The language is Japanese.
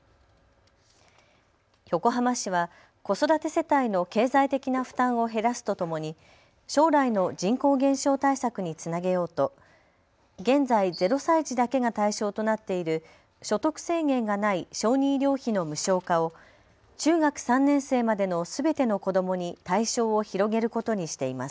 横浜市は子育て世帯の経済的な負担を減らすとともに将来の人口減少対策につなげようと現在、０歳児だけが対象となっている所得制限がない小児医療費の無償化を中学３年生までのすべての子どもに対象を広げることにしています。